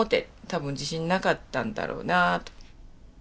たぶん自信なかったんだろうなあと。